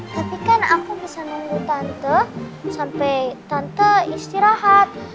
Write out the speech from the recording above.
tapi kan aku bisa nunggu tante sampai tante istirahat